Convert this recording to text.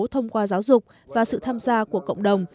thông qua giáo dục và sự tham gia của cộng đồng